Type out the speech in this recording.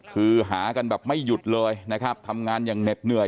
คือหากันแบบไม่หยุดเลยนะครับทำงานอย่างเหน็ดเหนื่อย